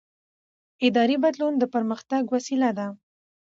اداري بدلون د پرمختګ وسیله ده